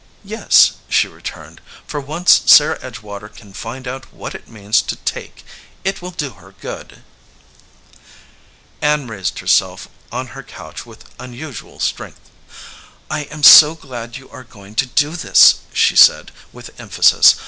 "Yes," she returned, "for once Sarah Edgewater 87 EDGEWATER PEOPLE can find out what it means to take. It will do her good." Ann raised herself on her couch with unusual strength. "I am so glad you are going to do this," she said, with emphasis.